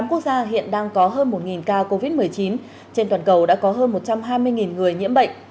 tám quốc gia hiện đang có hơn một ca covid một mươi chín trên toàn cầu đã có hơn một trăm hai mươi người nhiễm bệnh